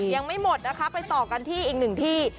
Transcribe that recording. ยังไม่หมดนะคะไปต่อกันที่อีกหนึ่งที่